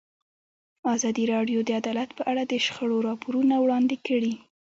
ازادي راډیو د عدالت په اړه د شخړو راپورونه وړاندې کړي.